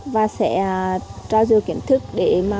và sẽ trao dự kiến thức để phát triển thêm người du lịch của mình